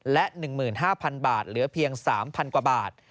และ๑๕๐๐๐บาทเหลือเพียง๓๐๐กว่าบาท